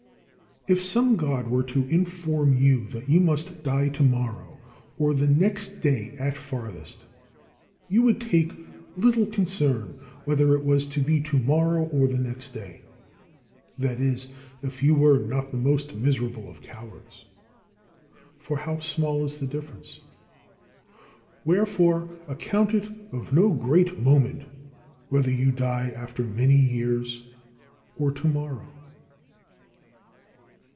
47. If some God were to inform you that you must die tomorrow, or the next day at farthest, you would take little concern whether it was to be tomorrow or the next day; that is if you were not the most miserable of cowards. For how small is the difference? Wherefore, account it of no great moment whether you die after many years or tomorrow.